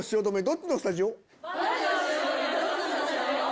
どっちのスタジオ？